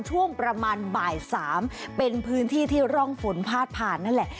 ช่วงประมาณบ่าย๓เป็นพื้นที่ที่ร่องฝนพาดผ่านนั่นแหละ